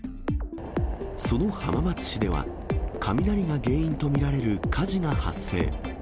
その浜松市では、雷が原因と見られる火事が発生。